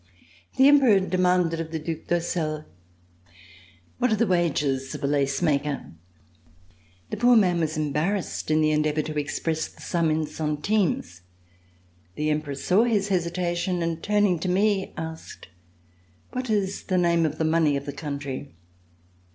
The Emperor demanded of the Due d'Ursel :" What are the wages of a lace maker ?" The poor man was embarrassed in the endeavor to express the sum in centimes. The Emperor saw his hesitation, and turning to me asked: "What is the name of the money of the country.